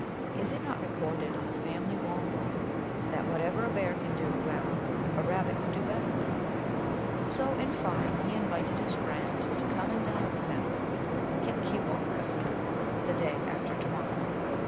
Is it not recorded in the family wampum that whatever a Bear can do well a Rabbit can do bet ter ?" So, in fine, he invited his friend to come and dine with him, Ifetkewopk , the day after to morrow.